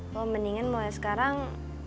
lo mendingan mulai sekarang